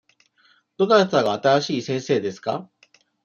どなたが新しい先生ですか。